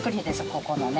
ここのね。